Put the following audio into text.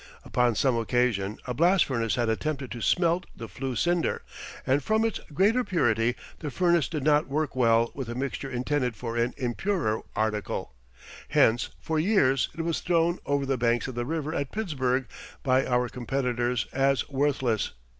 Upon some occasion a blast furnace had attempted to smelt the flue cinder, and from its greater purity the furnace did not work well with a mixture intended for an impurer article; hence for years it was thrown over the banks of the river at Pittsburgh by our competitors as worthless.